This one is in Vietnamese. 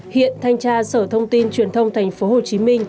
hiện thanh tra sở thông tin truyền thông tp hcm